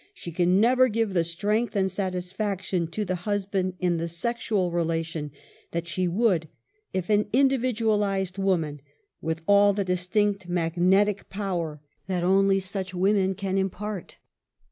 she can never give the strength and satisfaction to the husband in the sexual relation that she would if ^n individualized woman, with all the distinct mag ifietic power that only such women can impart.